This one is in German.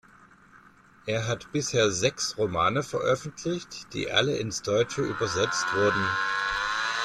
Er hat bisher sechs Romane veröffentlicht, die alle ins Deutsche übersetzt wurden.